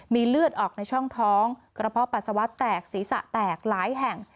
มีเลือดออกในช่องท้องกระเพาะปัสสาวะแตกศีรษะแตกหลายแห่ง